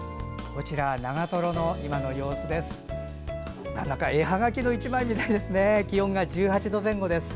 こちら、長瀞の今の様子です。